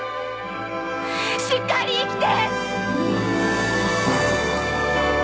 しっかり生きて！